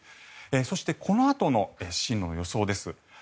そしてこのあとの進路の予想です。